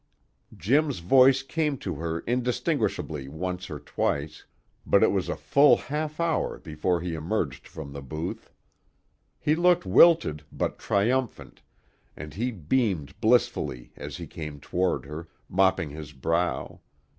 Jim's voice came to her indistinguishably once or twice, but it was a full half hour before he emerged from the booth. He looked wilted but triumphant, and he beamed blissfully as he came toward her, mopping his brow.